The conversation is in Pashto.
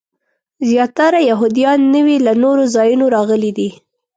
زیاتره یهودیان نوي له نورو ځایونو راغلي دي.